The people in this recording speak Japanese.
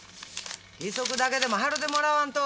利息だけでも払うてもらわんと。